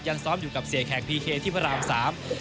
ซ้อมอยู่กับเสียแขกพีเคที่พระรามสาม